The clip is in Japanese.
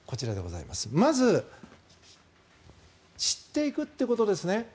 まず知っていくということですね。